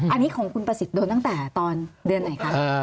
อันนี้ของคุณปศิษฐ์โดนตั้งแต่ตอนเดือนไหนครับ